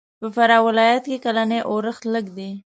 په فراه ولایت کښې کلنی اورښت لږ دی.